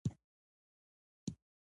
گردن مسجد: